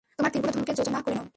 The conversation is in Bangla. তোমরা তীরগুলো ধনুকে যোজনা করে নাও।